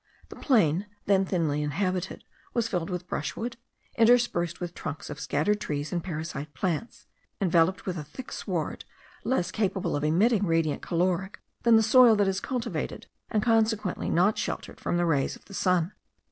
The plain, then thinly inhabited, was filled with brushwood, interspersed with trunks of scattered trees and parasite plants, enveloped with a thick sward, less capable of emitting radiant caloric than the soil that is cultivated and consequently not sheltered from the rays of the sun.